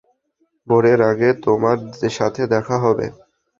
ভোরের আগে তোমার সাথে দেখা হবে।